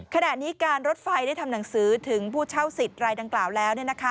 ขณะนี้การรถไฟได้ทำหนังสือถึงผู้เช่าสิทธิ์รายดังกล่าวแล้ว